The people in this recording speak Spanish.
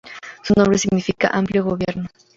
Su nombre significa ‘amplio gobierno’.